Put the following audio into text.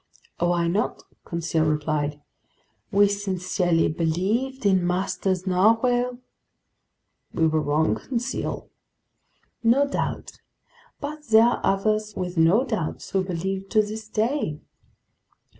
"Why not?" Conseil replied. "We sincerely believed in master's narwhale." "We were wrong, Conseil." "No doubt, but there are others with no doubts who believe to this day!"